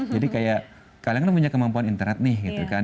jadi kayak kalian kan punya kemampuan internet nih gitu kan